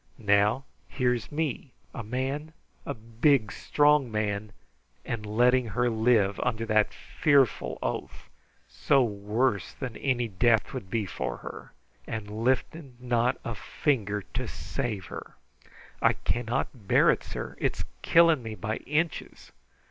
Now, here's me, a man, a big, strong man, and letting her live under that fearful oath, so worse than any death 'twould be for her, and lifting not a finger to save her. I cannot hear it, sir. It's killing me by inches!